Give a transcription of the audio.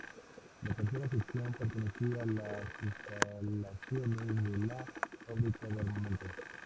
La tercera sección pertenecía a las instalaciones de la fábrica de armamento.